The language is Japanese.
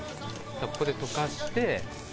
ここで溶かして。